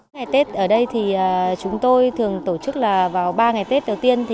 ngày tết ở đây thì chúng tôi thường tổ chức là vào ba ngày tết đầu tiên